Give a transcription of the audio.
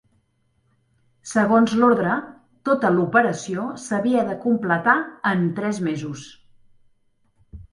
Segons l'ordre, tota l'operació s'havia de completar en tres mesos.